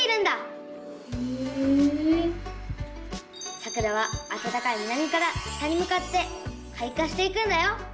さくらはあたたかい南から北にむかってかい花していくんだよ。